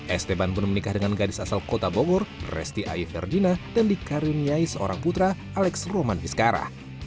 esteban pun menikah dengan gadis asal kota bogor resti ayu ferdina dan dikaruniai seorang putra alex roman vizcara